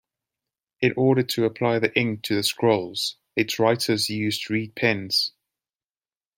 In order to apply the ink to the scrolls, its writers used reed pens.